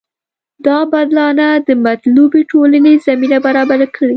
دا بدلانه د مطلوبې ټولنې زمینه برابره کړي.